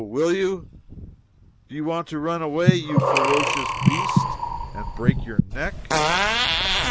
will you? Do you want to run away, you ferocious beast, and break your neck?"